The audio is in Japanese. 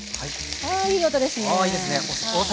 あいいですね。